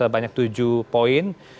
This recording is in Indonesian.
banyak tujuh poin